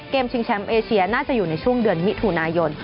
ชิงแชมป์เอเชียน่าจะอยู่ในช่วงเดือนมิถุนายน